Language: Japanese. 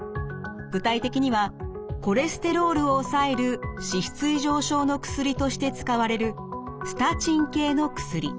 具体的にはコレステロールを抑える脂質異常症の薬として使われるスタチン系の薬。